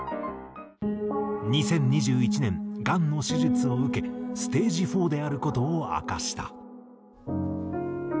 ２０２１年がんの手術を受けステージⅣである事を明かした。